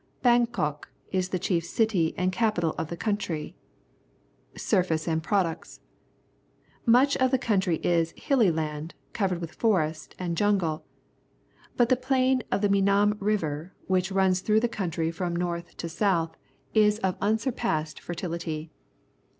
Bangkok is the chief city and capital of the country. Surface and Products. — Much of the coun try is hilly land, covered with forest and jun gle, but the plain of the Menam River, which runs through the country from north to south, is of unsurpassed fertility.